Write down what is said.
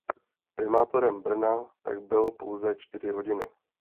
Primátorem Brna tak byl pouze čtyři hodiny.